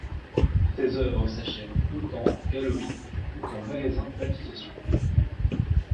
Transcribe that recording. Ses œuvres s'achètent autant en galerie ou qu'en magasin d'applications.